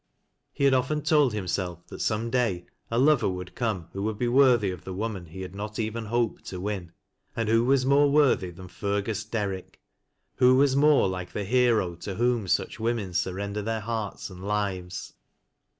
He had often told himself, that somedaj a lover would come who would be worthj' of the woman he had not even hoped to win. And who was more worthy than Fergus Derrick — who was more like the here to whom such women surrender their hearts and lives.